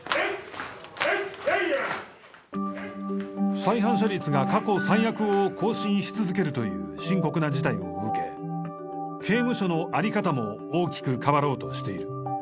再犯者率が過去最悪を更新し続けるという深刻な事態を受け刑務所のあり方も大きく変わろうとしている。